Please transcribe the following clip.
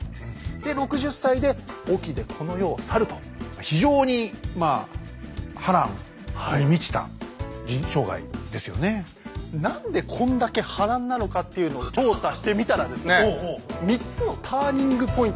で６０歳で隠岐でこの世を去ると。何でこんだけ波乱なのかっていうのを調査してみたらですね３つのターニングポイントが分かったんですね。